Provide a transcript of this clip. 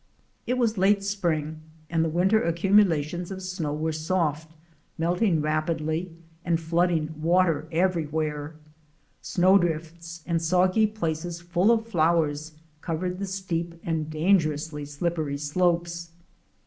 It was late spring and the winter accumulations of snow were soft, melting rapidly, and flooding water everywhere. Snow drifts and soggy places full of flowers covered the steep and dangerously slip pery slopes.